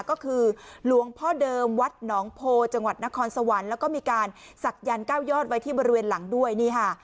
ก็คือหลวงพ่อเดิมวัดหนองโพจังหวัดนครสวรรค์แล้วก็มีการศักยันต์เก้ายอดไว้ที่บริเวณหลังด้วยนี่ค่ะ